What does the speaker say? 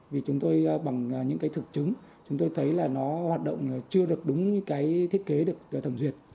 vì chúng tôi bằng những cái thực chứng chúng tôi thấy là nó hoạt động chưa được đúng như cái thiết kế được thẩm duyệt